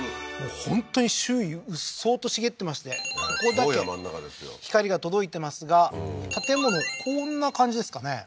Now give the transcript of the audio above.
本当に周囲うっそうと茂ってましてここだけ光が届いてますが建物こんな感じですかね